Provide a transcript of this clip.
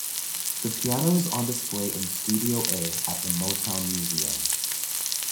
The piano is on display in Studio A at the Motown Museum.